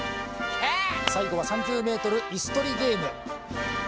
最後は３０ｍイス取りゲーム